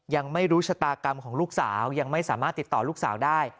ยังไม่รู้ชะตากรรมของลูกสาวยังไม่สามารถติดต่อลูกสาวได้